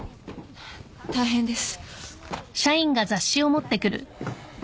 大変です。